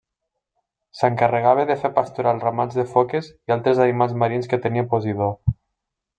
S'encarregava de fer pasturar els ramats de foques i altres animals marins que tenia Posidó.